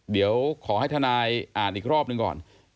เดี๋ยวขอให้ทนายอ่านอีกรอบหนึ่งก่อน